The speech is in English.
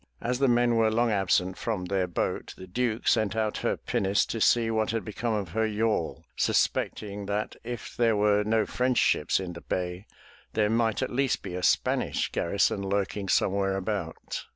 As the men were long absent from their boat, the Duke sent out her pinnace to see what had become of her yawl, suspect ing that if there were no French ships in the ^^^_^^^^^^ bay, there might at least be a Spanish gar rison lurking somewhere about.